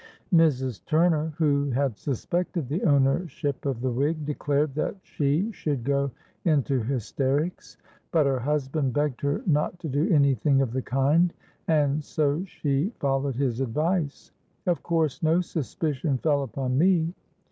—Mrs. Turner, who had suspected the ownership of the wig, declared that she should go into hysterics; but her husband begged her not to do any thing of the kind; and so she followed his advice. Of course no suspicion fell upon me.